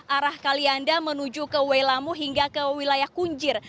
penutupan jalan dari wilayah arah kalianda menuju ke w lamu hingga ke wilayah kunjir